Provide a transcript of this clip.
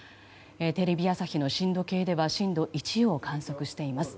テレビ朝日の震度計では震度１を観測しています。